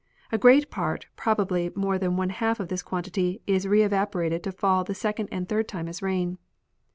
A great part, probably more than one half of this quantity, is reevaporated to fall the second and third time as rain.